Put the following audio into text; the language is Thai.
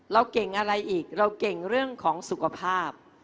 เราเก่งอะไรอีกเราเก่งเรื่องของสุขภาพ